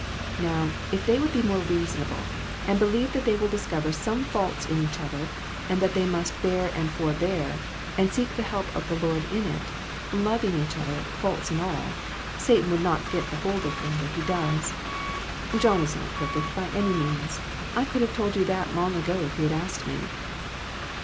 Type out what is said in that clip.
Now, if they would be more rea sonable, and believe that they will discover some faults in each other, and that they must bear and forbear, and seek the help of the Lord in it, lov ing each other, faults and all, Satan would not get the hold of them that he does. John is not per fect, by any means. I could have told you that long ago if you had asked me."